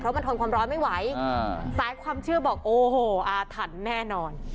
มันทนความร้อนไม่ไหวสายความเชื่อบอกโอ้โหอาถรรพ์แน่นอน